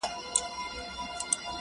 پر بل مخ سوه هنګامه په یوه آن کي!